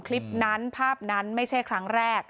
คลิปนั้นภาพนั้นไม่ใช่ครั้งแรก